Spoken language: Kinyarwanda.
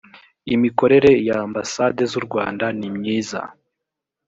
imikorere y’ ambasade z’ u rwanda nimyiza.